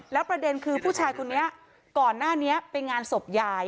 แล้วประเด็นคือผู้ชายคนนี้ก่อนหน้านี้ไปงานศพยาย